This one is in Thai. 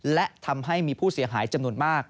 และทำให้มีผู้เสียหายจำนวนมาก